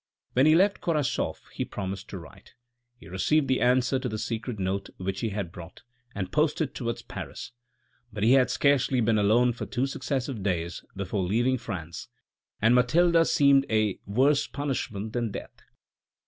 When he left Korasoff he promised to write. He received the answer to the secret note which he had brought, and posted towards Paris ; but he had scarcely been alone for two successive days before leaving France, and Mathilde seemed a worse punishment than death.